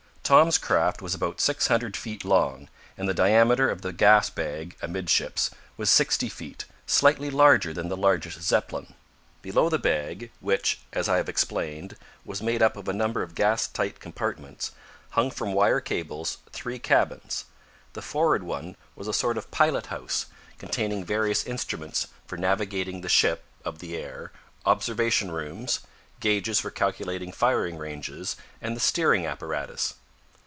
Tom's craft was about six hundred feet long, and the diameter of the gas bag, amidships, was sixty feet, slightly larger than the largest Zeppelin. Below the bag, which, as I have explained, was made up of a number of gas tight compartments, hung from wire cables three cabins. The forward one was a sort of pilot house, containing various instruments for navigating the ship of the air, observation rooms, gauges for calculating firing ranges, and the steering apparatus.